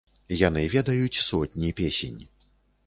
Яны ведаюць сотні песень.